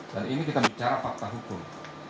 dan ini kita bicara fakta hukum